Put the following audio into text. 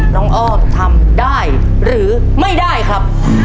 อ้อมทำได้หรือไม่ได้ครับ